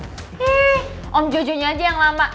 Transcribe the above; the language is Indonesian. eh om jojo aja yang lama